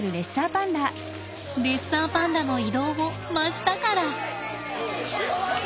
レッサーパンダの移動を真下から！